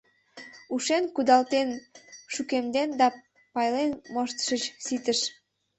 Ушен, кудалтен, шукемден да пайлен моштышыч — ситыш.